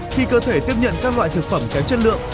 khi cơ thể tiếp nhận các loại thực phẩm kém chất lượng